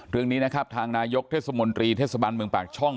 เรื่องนี้นะครับทางนายกเทศมนตรีเทศบาลเมืองปากช่อง